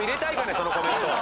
そのコメント。